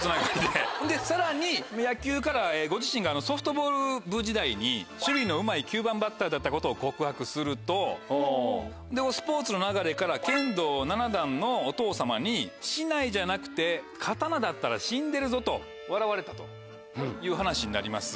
さらに野球からご自身がソフトボール部時代に守備のうまい９番バッターだったことを告白するとスポーツの流れから剣道７段のお父様に竹刀じゃなくて刀だったら死んでるぞと笑われたという話になります。